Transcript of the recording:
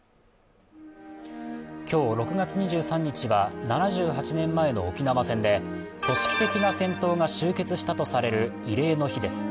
今日６月２３日は７８年前の沖縄戦で組織的な戦闘が終結したとされる慰霊の日です。